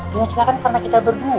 dengan celaka karena kita berdua